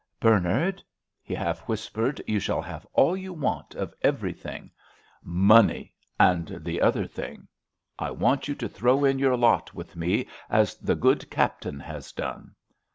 "Bernard," he half whispered, "you shall have all you want of everything. Money—and the other thing. I want you to throw in your lot with me as the good Captain has done.